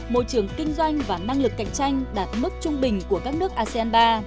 môi trường kinh doanh và năng lực cạnh tranh đạt mức trung bình của các nước asean ba